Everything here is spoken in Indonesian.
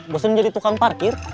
bosen jadi tukang parkir